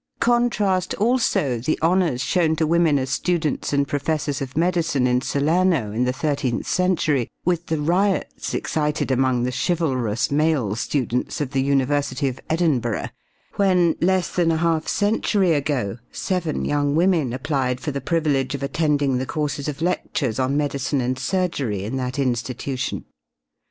Contrast, also, the honors shown to women as students and professors of medicine in Salerno, in the thirteenth century, with the riots excited among the chivalrous male students of the University of Edinburgh, when, less than a half century ago, seven young women applied for the privilege of attending the courses of lectures on medicine and surgery in that institution.